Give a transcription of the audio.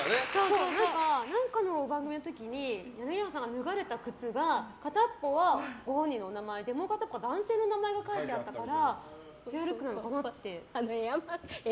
何かの番組の時に柳原さんが脱がれた靴がかたっぽはご本人のお名前でもう一方は男性の名前が書いてあったから。